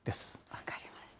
分かりました。